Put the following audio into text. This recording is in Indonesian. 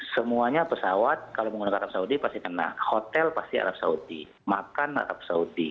semuanya pesawat kalau menggunakan arab saudi pasti kena hotel pasti arab saudi makan arab saudi